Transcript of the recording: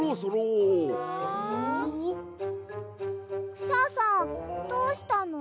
クシャさんどうしたの？